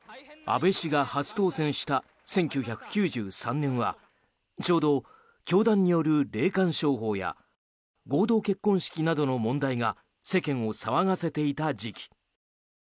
安倍氏が初当選した１９９３年はちょうど教団による霊感商法や合同結婚式などの問題が世間を騒がせていた時期。